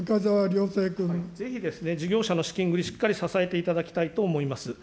ぜひですね、事業者の資金繰り、しっかり支えていただきたいと思います。